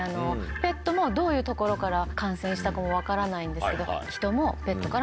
ペットもどういうところから感染したか分からないんですけど。